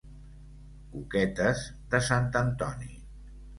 Coquetes de sant Antoni.